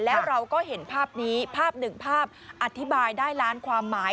แล้วเราก็เห็นภาพนี้ภาพหนึ่งภาพอธิบายได้ล้านความหมาย